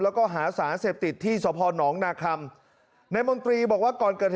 แล้วก็หาสารเสพติดที่สพนนาคำนายมนตรีบอกว่าก่อนเกิดเหตุ